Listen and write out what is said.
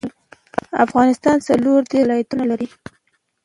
افغانستان څلور ديرش ولايتونه لري